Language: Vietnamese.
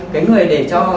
cái người để cho